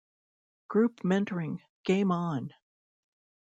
Group Mentoring, Game on!